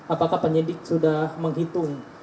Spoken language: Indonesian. apakah penyidik sudah menghitung